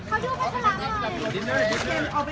สวัสดีครับ